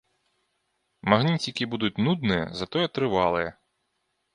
Магніцікі будуць нудныя, затое трывалыя.